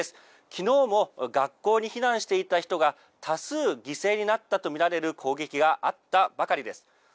きのうも学校に避難していた人が多数犠牲になったと見られる攻撃があったばかりです。